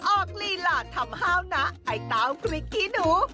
ออกลีหล่าทำฮาวนะไอ้ตาวพริกกี้หนู